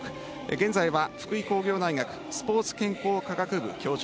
現在は、福井工業大学スポーツ健康科学部教授